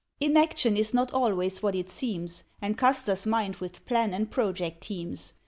Inaction is not always what it seems, And Custer's mind with plan and project teems.